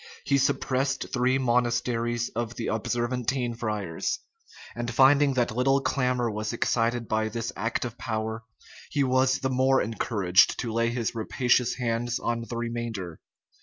He suppressed three monasteries of the Observantine friars; and finding that little clamor was excited by this act of power, he was the more encouraged to lay his rapacious hands on the remainder.